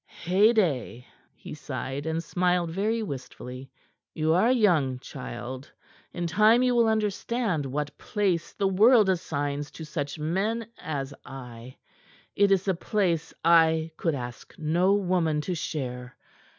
"Heyday!" He sighed, and smiled very wistfully. "You are young, child. In time you will understand what place the world assigns to such men as I. It is a place I could ask no woman to share.